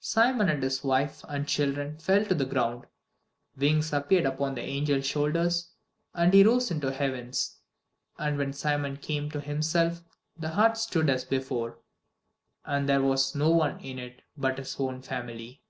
Simon and his wife and children fell to the ground. Wings appeared upon the angel's shoulders, and he rose into the heavens. And when Simon came to himself the hut stood as before, and there was no one in it but his own family.